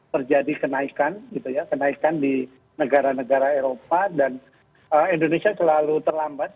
terjadi kenaikan gitu ya kenaikan di negara negara eropa dan indonesia terlalu terlambat